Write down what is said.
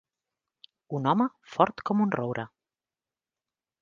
Un home fort com un roure.